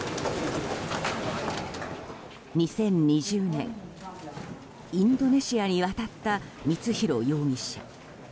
２０２０年インドネシアに渡った光弘容疑者。